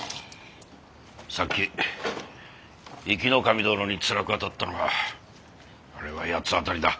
さっき壱岐守殿につらく当たったのはあれは八つ当たりだ。